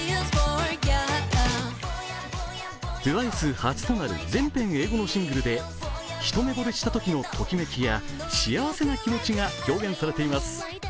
初となる全編英語のシングルでひと目ぼれしたときのときめきや幸せな気持ちが表現されています。